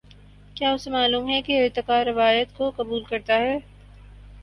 کیا اسے معلوم ہے کہ ارتقا روایت کو قبول کرتا ہے۔